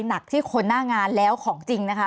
หนักที่คนหน้างานแล้วของจริงนะคะ